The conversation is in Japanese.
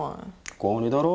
高２だろ。